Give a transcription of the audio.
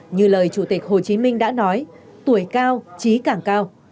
như lời chủ tịch hồ chí minh đã nói tuổi cao trí càng cao